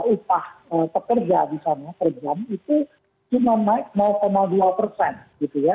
upah pekerja misalnya per jam itu cuma naik dua persen gitu ya